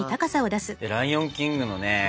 「ライオン・キング」のね